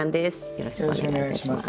よろしくお願いします。